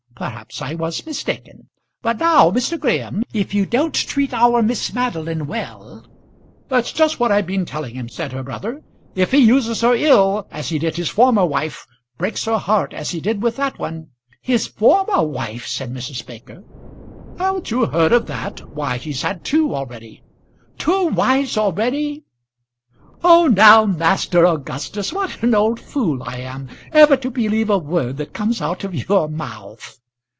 Perhaps I was mistaken. But now, Mr. Graham, if you don't treat our Miss Madeline well " "That's just what I've been telling him," said her brother. "If he uses her ill, as he did his former wife breaks her heart as he did with that one " "His former wife!" said Mrs. Baker. "Haven't you heard of that? Why, he's had two already." "Two wives already! Oh now, Master Augustus, what an old fool I am ever to believe a word that comes out of your mouth."